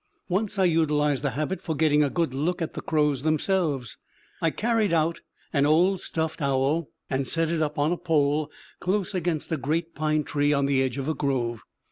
Once I utilized the habit for getting a good look at the crows themselves. I carried out an old stuffed owl, and set it up on a pole close against a great pine tree on the edge of a grove.